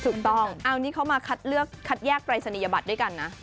ถูกต้องเอานี่เขามาคัดเลือกคัดแยกปรายศนียบัตรด้วยกันนะ